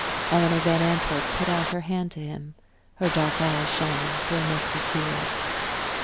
Eleanor Van Antwerp put out her hand to him, her dark eyes shining through a mist of tears.